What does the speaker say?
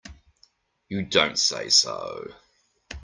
You don't say so!